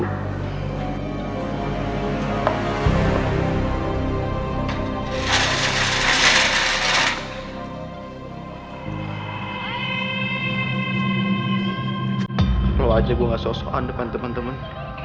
kalau aja gue gak sok sokan depan temen temen